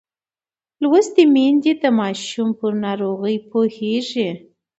لوستې میندې د ماشوم پر ناروغۍ پوهېږي.